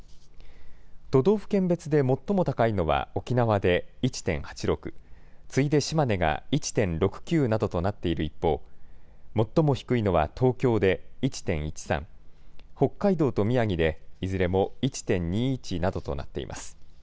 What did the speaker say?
都道府県別で最も高いのは沖縄で１．８６、次いで島根が１．６９などとなっている一方、最も低いのは東京で１．１３、北海道と宮城でいずれも１．２１などとなっています。